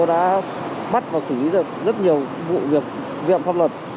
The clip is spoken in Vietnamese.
đã bắt và xử lý được rất nhiều vụ việc việm pháp luật